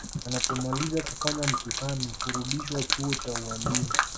Anapomaliza kufanya mtihani hurudishwa chuo cha ualimu